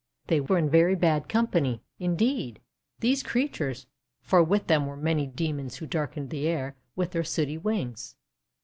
They were in very bad company, indeed, these crea tures, for with them were many Demons who darkened the air with their sooty wings.